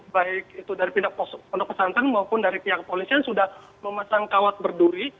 baik itu dari pihak pondok pesantren maupun dari pihak polisian sudah memasang kawat berduri